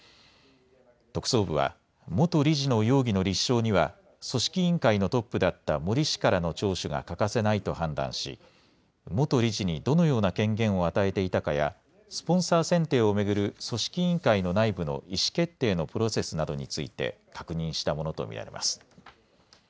特捜部は元理事の容疑の立証には組織委員会のトップだった森氏からの聴取が欠かせないと判断し元理事にどのような権限を与えていたかやスポンサー選定を巡る組織委員会の内部の意思決定のプロセスなどについて確認したものと見られます。